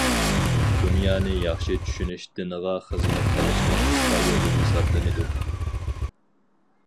دۇنيانى ياخشى چۈشىنىش دىنغا خىزمەت قىلىشنىڭ قىسقا يولى ھېسابلىنىدۇ.